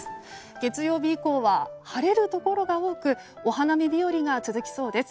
月曜日以降は晴れるところが多くお花見日和が続きそうです。